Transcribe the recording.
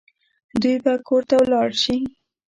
دوی به کور ته ولاړ شي